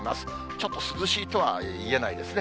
ちょっと涼しいとは言えないですね。